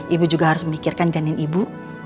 ibu juga harus memikirkan janin ibu